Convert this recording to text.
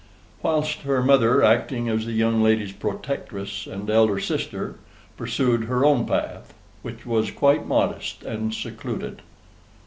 Whilst her mother, acting as the young lady's protectress and elder sister, pursued her own path, which was quite modest and secluded.